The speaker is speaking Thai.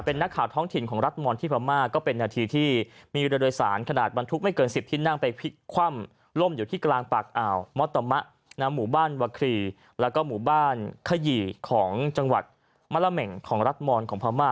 เป็นนักข่าวท้องถิ่นของรัทมอนที่พามาก็เป็นหน้าเที่ยวที่มีเรือลื่นลา